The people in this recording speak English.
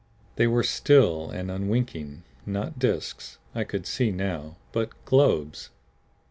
They were still and unwinking; not disks, I could see now, but globes.